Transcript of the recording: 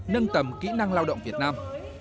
nâng tầm kỹ năng lao động việt nam